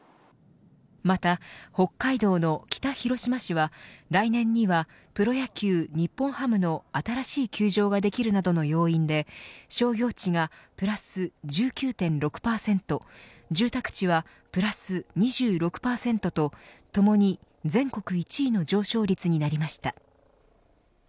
また北海道の北広島市は来年にはプロ野球、日本ハムの新しい球場ができるなどの要因で商業地がプラス１９．６％住宅地はプラス２６％とともに全国１位の上昇率になりました。